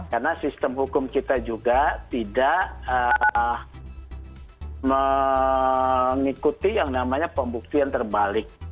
karena sistem hukum kita juga tidak mengikuti yang namanya pembuktian terbalik